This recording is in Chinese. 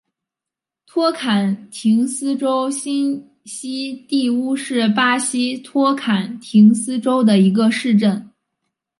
托坎廷斯州新锡蒂乌是巴西托坎廷斯州的一个市镇。